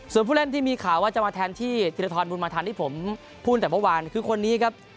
ส่วนผู้เล่นที่มีข่าวว่าจะมาแทนที่ธีรทรบุญมาทันที่ผมพูดแต่เมื่อวานคือคนนี้ครับ